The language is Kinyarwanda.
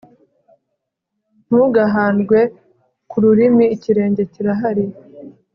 ntugahandwe ku rurimi, ikirenge kirahari